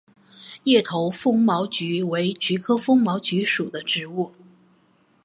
叶头风毛菊为菊科风毛菊属的植物。